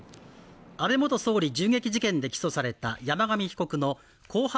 安倍元総理銃撃事件で起訴された山上被告の公判